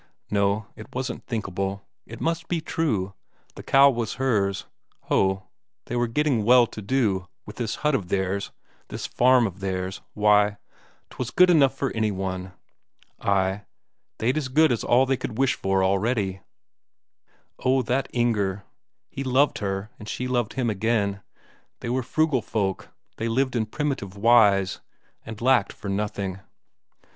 No, it wasn't thinkable. It must be true, the cow was hers. Ho, they were getting well to do, with this hut of theirs, this farm of theirs; why, 'twas good enough for any one. Ay, they'd as good as all they could wish for already. Oh, that Inger; he loved her and she loved him again; they were frugal folk; they lived in primitive wise, and lacked for nothing.